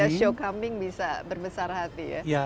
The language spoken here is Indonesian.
show kambing bisa berbesar hati ya